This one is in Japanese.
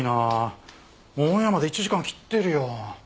オンエアまで１時間切ってるよ。